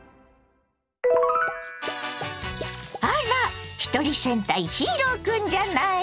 あらひとり戦隊ヒーロー君じゃない。